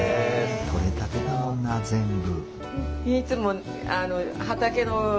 取れたてだもんな全部。